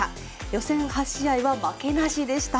予選８試合は負けなしでした。